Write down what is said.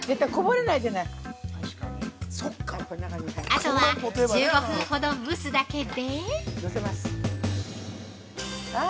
◆あとは１５分ほど蒸すだけで◆あ！